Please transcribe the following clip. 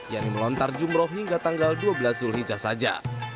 yang melontar jumrah hingga tanggal dua belas julhijjah saja